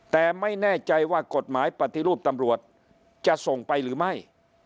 แต่ไม่แน่ใจว่ากฎหมายปฏิรูปตำรวจจะส่งไปหรือไม่